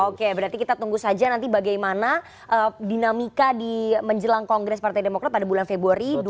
oke berarti kita tunggu saja nanti bagaimana dinamika di menjelang kongres partai demokrat pada bulan februari dua ribu dua puluh